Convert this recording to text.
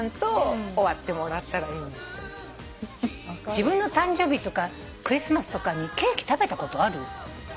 自分の誕生日とかクリスマスとかにケーキ食べたことある？